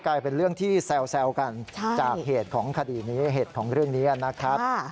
กลายเป็นเรื่องที่แซวกันจากเหตุของคดีนี้เหตุของเรื่องนี้นะครับ